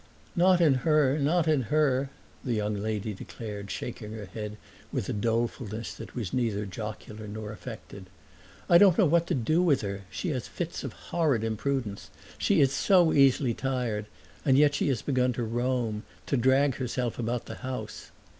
"Not in her, not in her!" the younger lady declared, shaking her head with a dolefulness that was neither jocular not affected. "I don't know what to do with her; she has fits of horrid imprudence. She is so easily tired and yet she has begun to roam to drag herself about the house."